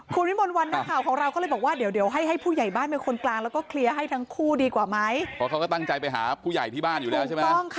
คุณวิมลวันนักข่าวของเราก็เลยบอกว่าเดี๋ยวเดี๋ยวให้ให้ผู้ใหญ่บ้านเป็นคนกลางแล้วก็เคลียร์ให้ทั้งคู่ดีกว่าไหมเพราะเขาก็ตั้งใจไปหาผู้ใหญ่ที่บ้านอยู่แล้วใช่ไหม